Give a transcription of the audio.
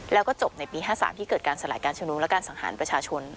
แล้วก็จบในปี๕๓ที่เกิดการสลายการชุมนุมและการสังหารประชาชน